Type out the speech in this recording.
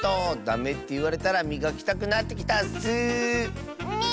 ダメっていわれたらみがきたくなってきたッス。ね。